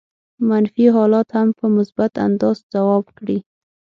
منفي حالات هم په مثبت انداز ځواب کړي.